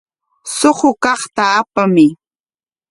Suqu kaqta apamuy.